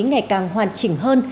ngày càng hoàn chỉnh hơn